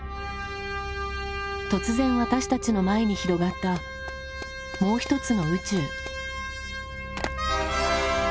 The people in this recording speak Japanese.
突然私たちの前に広がったもう一つの宇宙。